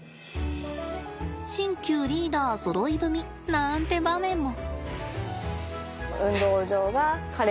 新旧リーダーそろい踏みなんて場面も。